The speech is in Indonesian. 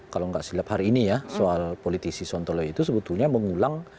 kalau nggak silap hari ini ya soal politisi sontoloyo itu sebetulnya mengulang